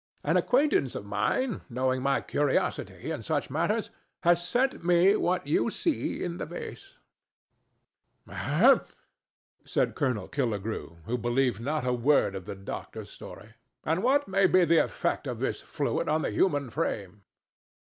An acquaintance of mine, knowing my curiosity in such matters, has sent me what you see in the vase." "Ahem!" said Colonel Killigrew, who believed not a word of the doctor's story; "and what may be the effect of this fluid on the human frame?"